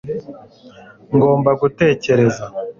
ngomba gutekereza